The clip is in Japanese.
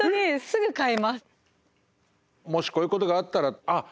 もしこういうことがあったらあっ